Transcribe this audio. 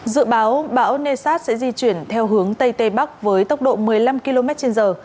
dự báo bão nessat sẽ di chuyển theo hướng tây tây bắc với tốc độ một mươi năm km trên giờ